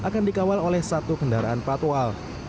akan dikawal oleh satu kendaraan patwal